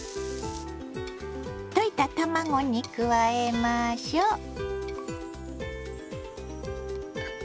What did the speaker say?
溶いた卵に加えましょう。